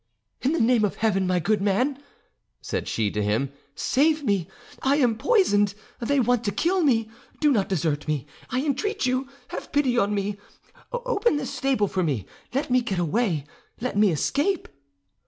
"In the name of Heaven, my good man," said she to him, "save me! I am poisoned! They want to kill me! Do not desert me, I entreat you! Have pity on me, open this stable for me; let me get away! Let me escape!"